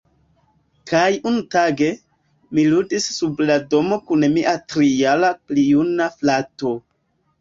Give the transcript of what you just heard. Kaj unutage, mi ludis sub la domo kun mia tri-jara-plijuna frato.